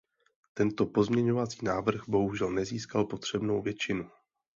Tento pozměňovací návrh bohužel nezískal potřebnou většinu.